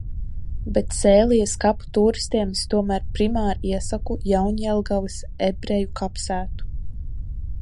Bet Sēlijas kapu tūristiem es tomēr primāri iesaku Jaunjelgavas ebreju kapsētu.